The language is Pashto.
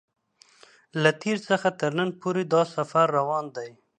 له تېر څخه تر نن پورې دا سفر روان دی.